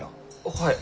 はい。